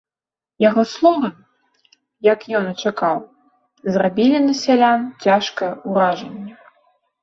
Яго словы, як ён і чакаў, зрабілі на сялян цяжкае ўражанне.